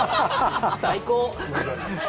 最高。